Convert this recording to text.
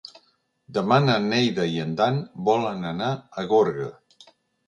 Demà na Neida i en Dan volen anar a Gorga.